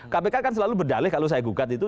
kpk kan selalu berdalih kalau saya gugat itu